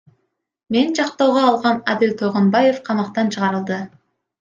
Мен жактоого алган Адил Тойгонбаев камактан чыгарылды.